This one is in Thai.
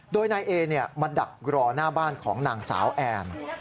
โดยนายเอมาดักรอหน้าบ้านของนางสาวแอน